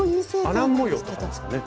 アラン模様とかですかね